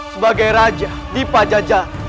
sebagai raja di pajajaran